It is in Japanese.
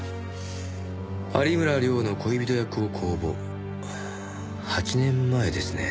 「有村亮の恋人役を公募」８年前ですね。